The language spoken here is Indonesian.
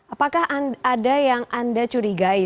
apakah ada yang anda curigai